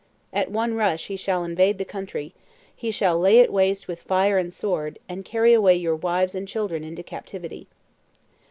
At one rush he shall invade the country; he shall lay it waste with fire and sword, and carry away your wives and children into captivity."